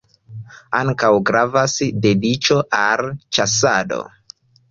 Ankaŭ gravas dediĉo al ĉasado.